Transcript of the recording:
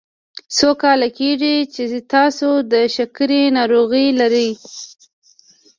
څو کاله کیږي چې تاسو د شکرې ناروغي لری؟